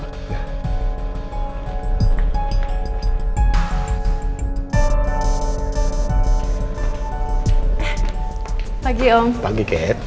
baik pak sebentar saya ambilkan sapu untuk membersihkan semua ini pak